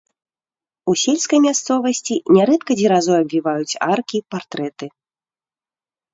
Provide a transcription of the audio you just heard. У сельскай мясцовасці нярэдка дзеразой абвіваюць аркі, партрэты.